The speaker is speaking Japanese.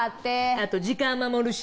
あと時間守るし。